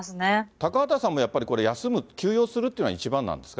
高畑さんもやっぱりこれ、休む、休養するっていうのは一番なんですか？